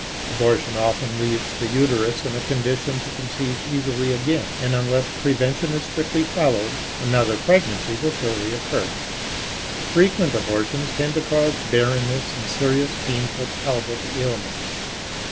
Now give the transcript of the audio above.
Abortion often leaves the uterus in a condition to conceive easily again and unless prevention is strictly followed another pregnancy will surely occur. Frequent abortions tend to cause barrenness and serious, painful pelvic ailments.